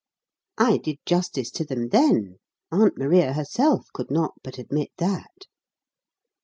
I did justice to them then; Aunt Maria herself could not but admit that.